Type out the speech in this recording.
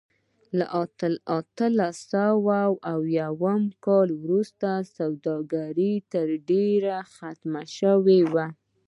له اتلس سوه اووه کال وروسته سوداګري تر ډېره ختمه شوې وه.